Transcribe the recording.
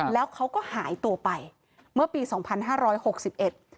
แล้วเขาก็หายตัวไปเมื่อปีสองพันห้าร้อยหกสิบเอ็ด